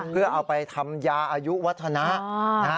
เพื่อเอาไปทำยาอายุวัฒนะ